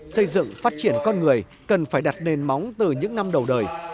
xây dựng phát triển con người cần phải đặt nền móng từ những năm đầu đời